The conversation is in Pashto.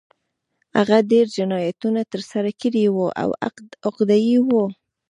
هغه ډېر جنایتونه ترسره کړي وو او عقده اي و